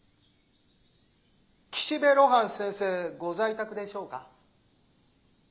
岸辺露伴先生ご在宅でしょうか。